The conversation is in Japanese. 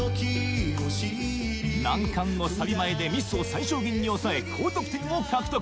難関のサビ前でミスを最小限に抑え高得点を獲得